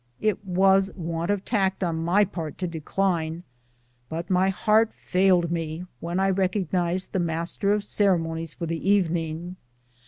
It was want of tact on my part to decline, but my heart failed me when I recognized the master of ceremonies for tlie evening.